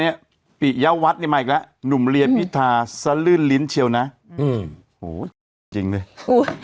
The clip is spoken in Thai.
นี่ปิยาวัฒน์นี่มาอีกแล้วหนุ่มเรียนวิทาสลื่นลิ้นเชียวนะอืมโหจริงเลย